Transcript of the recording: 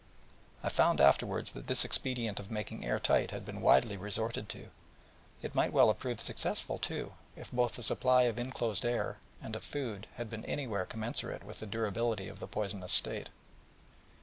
I found afterwards that this expedient of making air tight had been widely resorted to; and it might well have proved successful, if both the supply of inclosed air, and of food, had been anywhere commensurate with the durability of the poisonous state.